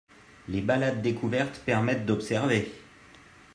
les balades découvertes permettent d’observer